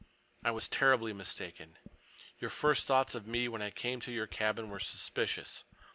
I was terribly mistaken. Your first thoughts of me when I came to your cabin were suspicious.